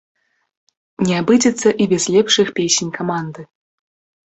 Не абыдзецца і без лепшых песень каманды!